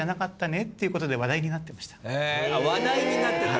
話題になってた。